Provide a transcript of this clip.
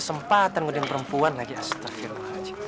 sampai ada perempuan lagi astagfirullah